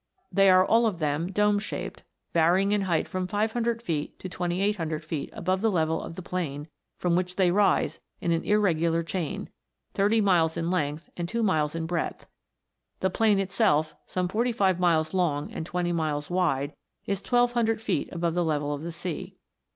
They are all of them dome shaped, varying in height from 500 feet to 2800 feet above the level of the plain from which they rise in an irregular chain, thirty miles in length and two miles in breadth ; the plain itself, some forty five miles long and twenty miles wide, is 1200 feet above the level of the sea.